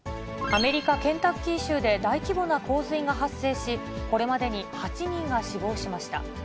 アメリカ・ケンタッキー州で大規模な洪水が発生し、これまでに８人が死亡しました。